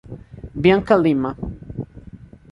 Bianca Lima